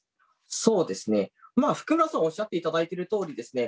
そうですね福村さんおっしゃっていただいてるとおりですね